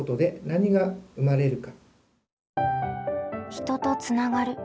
「人とつながる」。